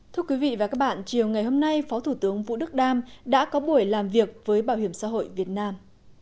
thưa quý vị và các bạn chiều ngày hôm nay phó thủ tướng vũ đức đam đã có buổi làm việc với bảo hiểm xã hội việt nam